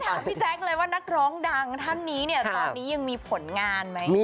พี่แจ๊คเลยว่านักร้องดังท่านนี้เนี่ยตอนนี้ยังมีผลงานไหม